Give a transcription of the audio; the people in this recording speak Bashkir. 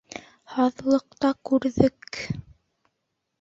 — Һаҙлыҡта күрҙек.